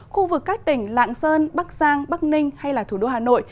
khu vực các tỉnh lạng sơn bắc giang bắc ninh hay thủ đô hà nội